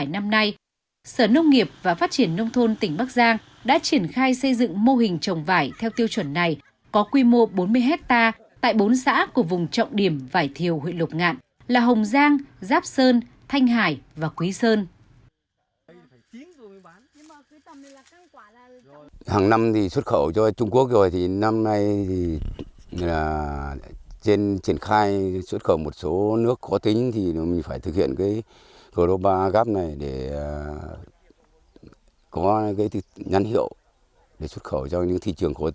năm nay tỉnh bắc giang duy trì hơn hai mươi tám hectare vải thiều theo tiêu chuẩn thực hành